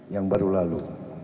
yang baru lalu